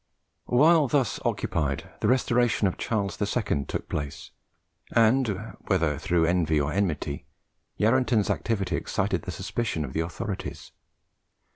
While thus occupied, the restoration of Charles II. took place, and whether through envy or enmity Yarranton's activity excited the suspicion of the authorities.